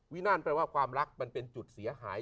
นั่นแปลว่าความรักมันเป็นจุดเสียหาย